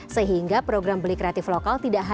sehingga program beli kreatif lokal tidak hanya